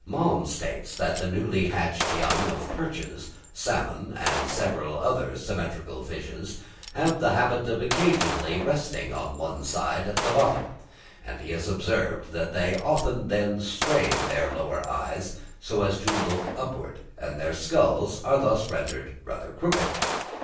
Malm states that the newly hatched young of perches, salmon, and several other symmetrical fishes, have the habit of occasionally resting on one side at the bottom; and he has observed that they often then strain their lower eyes so as to look upward; and their skulls are thus rendered rather crooked.